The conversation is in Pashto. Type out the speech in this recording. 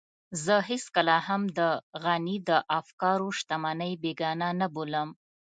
زه هېڅکله هم د غني د افکارو شتمنۍ بېګانه نه بولم.